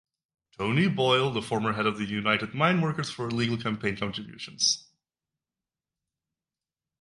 "Tony" Boyle, the former head of the United Mine Workers, for illegal campaign contributions.